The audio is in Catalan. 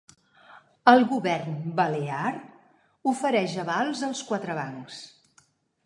El govern balear ofereix avals als quatre bancs